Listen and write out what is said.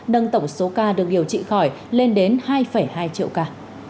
nâng tổng số ca được điều trị khỏi lên đến hai hai triệu ca